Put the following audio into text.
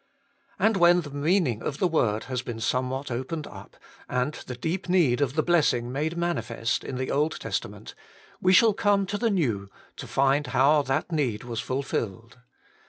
And when the meaning of the word has been somewhat opened up, and the deep need of the blessing made manifest in the Old Testament, we shall come to the New to find how that need was fulfilled.